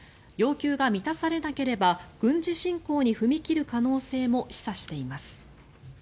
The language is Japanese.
要求が満たされなければ軍事侵攻に踏み切る可能性も示唆しています。